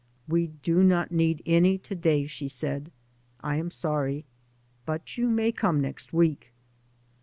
" We do not need any to day," she said. " I am sorry. But you may come next week!